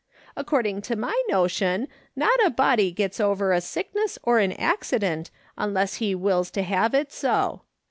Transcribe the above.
According to my notion, not a body gets over a sickness or an accident unless he wills to have it so.